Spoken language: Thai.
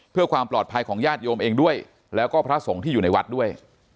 เพื่อความปลอดภัยของญาติโยมเองด้วยแล้วก็พระสงฆ์ที่อยู่ในวัดด้วย